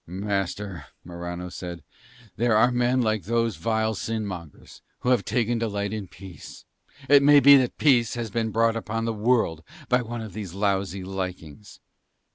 "Master," Morano said, "there are men like those vile sin mongers, who have taken delight in peace. It may be that peace has been brought upon the world by one of these lousy likings."